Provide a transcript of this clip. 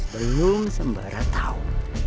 belum sembarang tahu